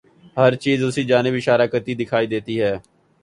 ہر چیز اسی جانب اشارہ کرتی دکھائی دیتی ہے۔